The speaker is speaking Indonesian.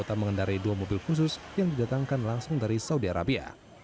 raja salman mengendari dua mobil khusus yang didatangkan langsung dari saudi arabia